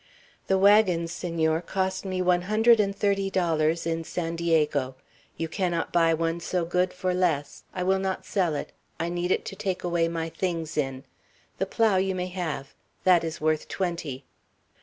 "The wagon, Senor, cost me one hundred and thirty dollars in San Diego. You cannot buy one so good for less. I will not sell it. I need it to take away my things in. The plough you may have. That is worth twenty."